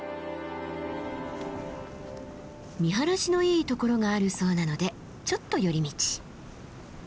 見晴らしのいいところがあるそうなのでちょっと寄り道。